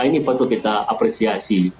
ini betul kita apresiasi